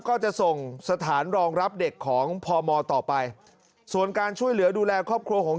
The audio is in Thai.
ก็จะส่งสถานรองรับเด็กของพมต่อไปส่วนการช่วยเหลือดูแลครอบครัวของ